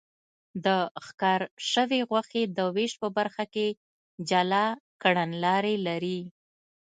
د ښکار شوې غوښې د وېش په برخه کې جلا کړنلارې لري.